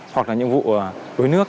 hoặc là những vụ bới nước